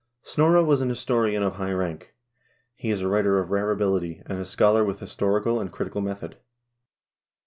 Snorre was an historian of high rank. He is a writer of rare ability, and a scholar with historical and critical method.